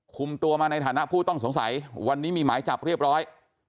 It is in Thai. คุมตัวมาในฐานะผู้ต้องสงสัยวันนี้มีหมายจับเรียบร้อย